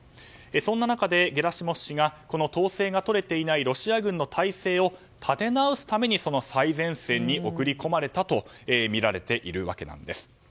そんな中でゲラシモフ氏が統制がとれていないロシア軍の体制を立て直すために最前線に送り込まれたとみられているわけなんです。